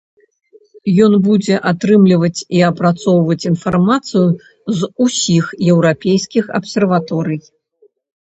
Ён будзе атрымліваць і апрацоўваць інфармацыю з усіх еўрапейскіх абсерваторый.